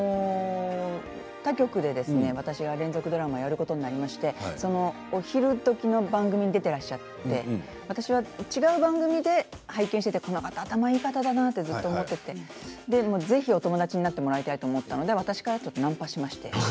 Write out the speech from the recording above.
他局で連続ドラマをやることになりましてそのときにお昼どきの番組に出ていらっしゃって違う番組で拝見していて頭のいい方だなとずっと思っていてぜひお友達になってもらいたいと思ったので私のほうからナンパしまして。